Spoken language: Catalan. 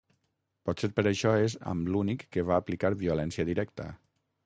Potser per això és amb l'únic que va aplicar violència directa.